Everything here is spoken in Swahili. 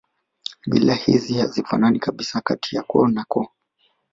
Mila hizi hazifanani kabisa kati ya koo na koo